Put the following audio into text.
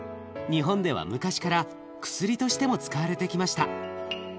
日本では昔から薬としても使われてきました。